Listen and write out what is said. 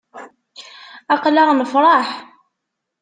Aql-aɣ nefṛeḥ.